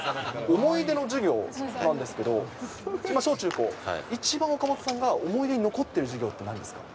思い出の授業なんですけど、小中高、一番岡本さんが、思い出に残っている授業ってなんですか？